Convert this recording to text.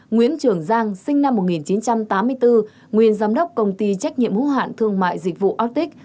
nguyễn trường giang sinh năm một nghìn chín trăm tám mươi bốn nguyên giám đốc công ty trách nhiệm hữu hạn thương mại dịch vụ aotic